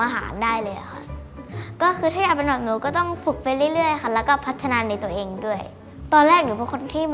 หนูก็จะแอบทุกคนค่ะตอนแข่งอยู่เนี่ย